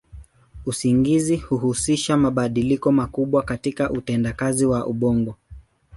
Usingizi huhusisha mabadiliko makubwa katika utendakazi wa ubongo.